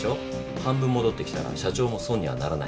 半分戻ってきたら社長も損にはならない。